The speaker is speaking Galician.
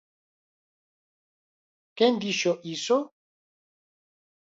¿Quen dixo iso?